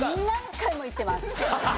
何回も言ってます。